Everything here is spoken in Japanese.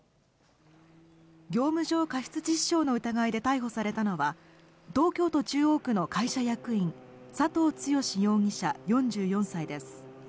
業務上過失致死傷の疑いで逮捕されたのは、東京都中央区の会社役員、佐藤剛容疑者４４歳です。